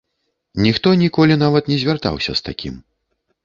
Ніхто ніколі нават не звяртаўся з такім.